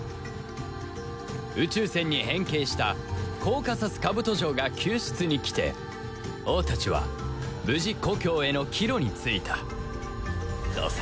宇宙船に変形したコーカサスカブト城が救出に来て王たちは無事故郷への帰路についたとさ